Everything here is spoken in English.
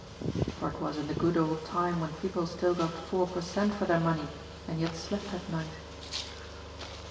For it was in the good old time when people still got four per cent, for their money, and yet slept at night.